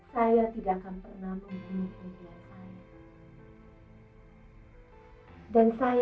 saya tidak akan pernah membunuh impian saya